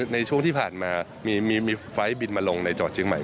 ในช่วงที่ผ่านมามีไฟล์บินมาลงในจังหวัดเชียงใหม่